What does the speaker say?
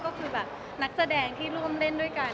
ก็คือแบบนักแสดงที่ร่วมเล่นด้วยกัน